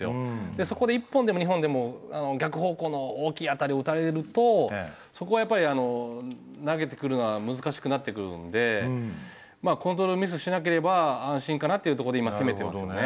でそこで１本でも２本でも逆方向の大きい当たりを打たれるとそこはやっぱり投げてくるのは難しくなってくるのでまあコントロールミスしなければ安心かなっていうとこで今攻めてますよね。